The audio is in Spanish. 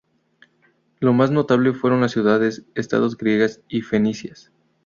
Los más notables fueron las ciudades estados griegas y fenicias.